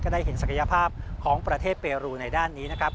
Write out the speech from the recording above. ได้เห็นศักยภาพของประเทศเปรูในด้านนี้นะครับ